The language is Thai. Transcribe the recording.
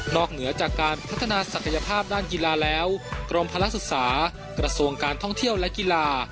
เหนือจากการพัฒนาศักยภาพด้านกีฬาแล้วกรมภาระศึกษากระทรวงการท่องเที่ยวและกีฬา